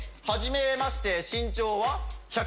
はじめまして身長は？